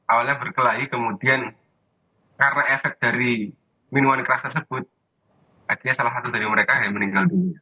awalnya berkelahi kemudian karena efek dari minuman keras tersebut akhirnya salah satu dari mereka yang meninggal dunia